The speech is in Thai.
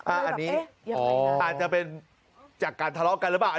อันนี้อาจจะเป็นจากการทะเลาะกันหรือเปล่า